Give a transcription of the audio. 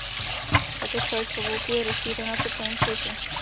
Tato čeleď pavouků je rozšířena po celém světě.